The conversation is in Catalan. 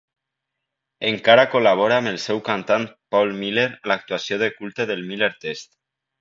Encara col·labora amb el seu cantant Paul Miller a la actuació de culte del Miller Test.